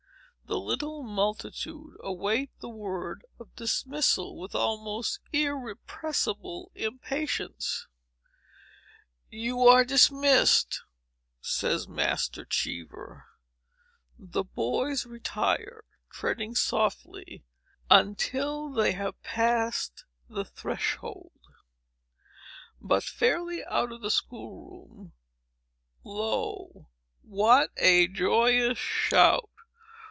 The little multitude await the word of dismissal, with almost irrepressible impatience. "You are dismissed," says Master Cheever. The boys retire, treading softly until they have passed the threshold; but, fairly out of the school room, lo, what a joyous shout!